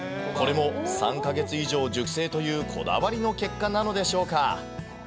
これも３か月以上熟成というこだわりの結果なのでしょうか。